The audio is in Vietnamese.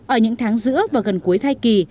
ở những tháng giữa và gần cuối thai kỳ